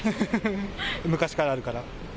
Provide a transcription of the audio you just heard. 昔からあるから。